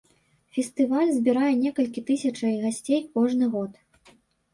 Фестываль збірае некалькі тысячай гасцей кожны год.